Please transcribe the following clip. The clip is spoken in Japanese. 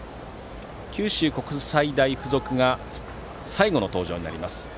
九州国際大付属が最後の登場になります。